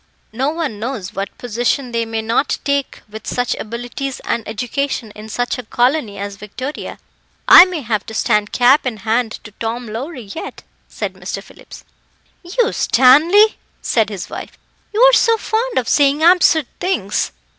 "No one knows what position they may not take with such abilities and education in such a colony as Victoria. I may have to stand cap in hand to Tom Lowrie yet," said Mr. Phillips. "You, Stanley!" said his wife; "you are so fond of saying absurd things."